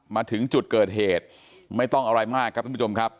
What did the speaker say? มาถึงจุดเกิดเหตุไม่ต้องอะไรมากครับท่านผู้ชมครับ